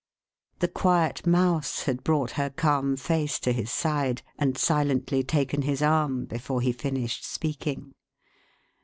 11 The quiet Mouse had brought her calm face to his side, and silently taken his arm, before he finished speaking.